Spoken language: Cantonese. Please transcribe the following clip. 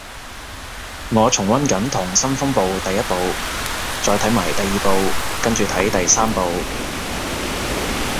我重溫緊溏心風暴第一部，再睇埋第二部跟住睇第三部